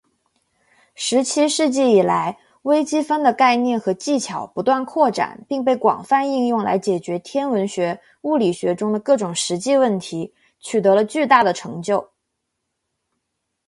十七世纪以来，微积分的概念和技巧不断扩展并被广泛应用来解决天文学、物理学中的各种实际问题，取得了巨大的成就。